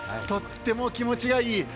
とっても気持ちがいい。